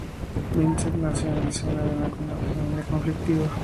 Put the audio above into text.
Vincent nació en el seno de una familia conflictiva.